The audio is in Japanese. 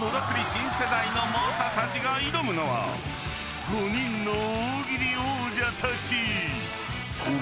新世代の猛者たちが挑むのは５人の大喜利王者たち］